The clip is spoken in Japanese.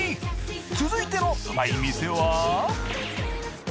続いてのうまい店は。